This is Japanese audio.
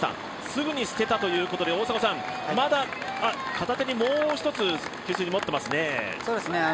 すぐに捨てたということでまだ、片手にもう一つ給水、持っていますね。